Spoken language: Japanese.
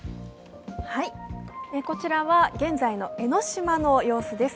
こちらは現在の江の島の様子です。